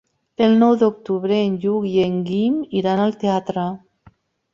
El nou d'octubre en Lluc i en Guim iran al teatre.